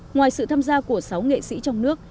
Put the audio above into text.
ngoài sự tham gia của sáu nghệ sĩ trong nước